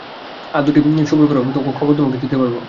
আর দুটো দিন সবুর করো, খবর তোমাকে দিতে পারব।